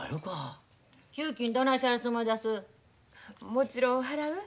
もちろん払う。